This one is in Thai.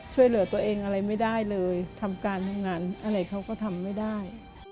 ช่วยเหลือตัวเองอะไรไม่ได้เลยทำการทำงานอะไรเขาก็ทำไม่ได้